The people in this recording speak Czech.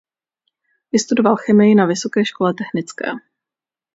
Vystudoval chemii na Vysoké škole technické.